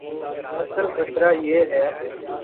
اصل خطرہ یہ ہے۔